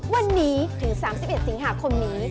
วันนี้ถึง๓๑สิงหาคมนี้